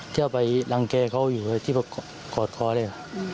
จะไปรังเกะเขาอยู่ที่กอดคอเลย